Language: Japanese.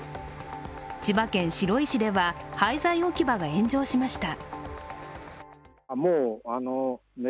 千葉県白井市では廃材置き場が炎上しました。